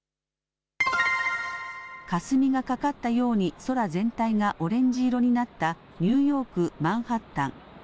かすみがかかったように空全体がオレンジ色になったニューヨーク、マンハッタン。